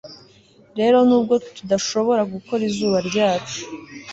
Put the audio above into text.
rero, nubwo tudashobora gukora izuba ryacu